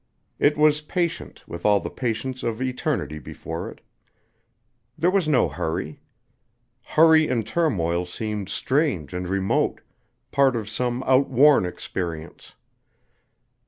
It was patient, with all the patience of eternity before it. There was no hurry. Hurry and turmoil seemed strange and remote, part of some outworn experience.